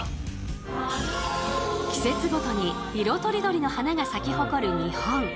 季節ごとに色とりどりの花が咲き誇る日本。